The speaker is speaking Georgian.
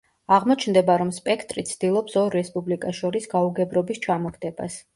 აღმოჩნდება, რომ სპექტრი ცდილობს ორ რესპუბლიკას შორის გაუგებრობის ჩამოგდებას.